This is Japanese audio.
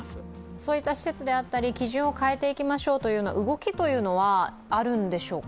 そういった施設であったり基準を変えていきましょうといった動きというのはあるんでしょうか。